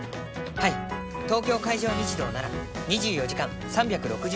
はい東京海上日動なら２４時間３６５日の事故受付。